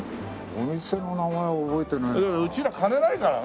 お店の名前は覚えてないな。